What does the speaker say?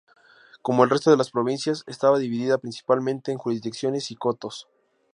Como el resto de las provincias, estaba dividida principalmente en jurisdicciones y cotos.